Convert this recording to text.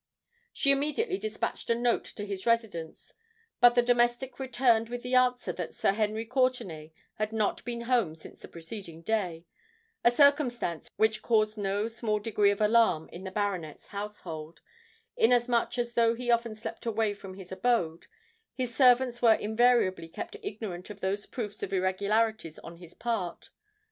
She immediately despatched a note to his residence; but the domestic returned with the answer that Sir Henry Courtenay had not been home since the preceding day—a circumstance which caused no small degree of alarm in the baronet's household, inasmuch as though he often slept away from his abode, his servants were invariably kept ignorant of those proofs of irregularities on his part.